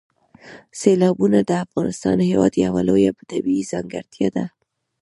سیلابونه د افغانستان هېواد یوه لویه طبیعي ځانګړتیا ده.